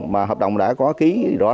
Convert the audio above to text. mà hợp đồng đã có ký